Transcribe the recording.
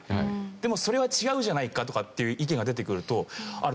でもそれは違うじゃないかとかっていう意見が出てくるとあれ？